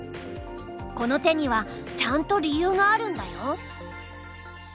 この手にはちゃんと理由があるんだよ。